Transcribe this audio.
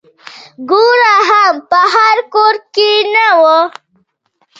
ګوړه هم په هر کور کې نه وه.